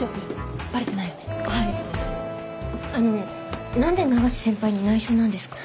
あの何で永瀬先輩に内緒なんですか？